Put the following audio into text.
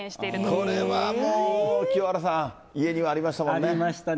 これはもう、清原さん、家にはありましたね。